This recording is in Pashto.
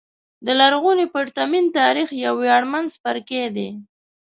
د لرغوني پرتمین تاریخ یو ویاړمن څپرکی دی.